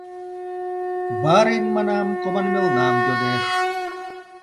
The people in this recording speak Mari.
— Барин, манам, команмелнам йодеш.